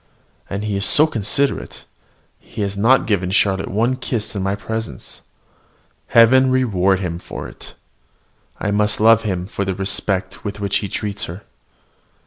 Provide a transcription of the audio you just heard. And he is so considerate: he has not given Charlotte one kiss in my presence. Heaven reward him for it! I must love him for the respect with which he treats her.